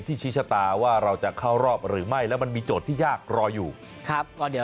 ชี้ชะตาว่าเราจะเข้ารอบหรือไม่แล้วมันมีโจทย์ที่ยากรออยู่ครับก็เดี๋ยว